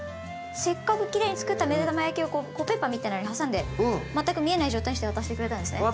せっかくきれいにつくっためだま焼きをコッペパンみたいなのに挟んで全く見えない状態にして渡してくれたんですね。